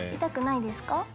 痛くないですか？